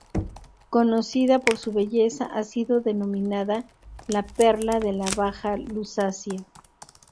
Conocida por su belleza, ha sido denominada "la Perla de la Baja Lusacia".